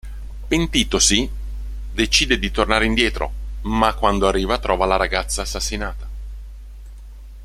Pentitosi, decide di tornare indietro, ma quando arriva trova la ragazza assassinata.